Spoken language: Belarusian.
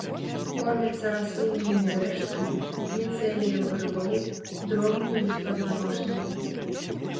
Кормяцца расліннымі рэшткамі, міцэліем грыбоў, дробнымі беспазваночнымі.